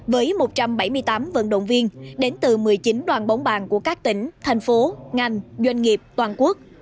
với một trăm bảy mươi tám vận động viên đến từ một mươi chín đoàn bóng bàn của các tỉnh thành phố ngành doanh nghiệp toàn quốc